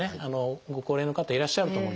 ご高齢の方いらっしゃると思うんです。